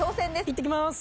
いってきまーす。